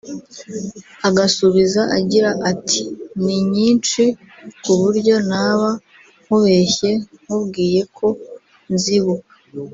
agasubiza agira ati “ Ni nyinshi ku buryo naba nkubeshye nkubwiye ko nzibuka